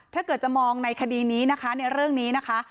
ถ้าเกิดจะมองในคดีนี้นะคะในเรื่องนี้นะคะ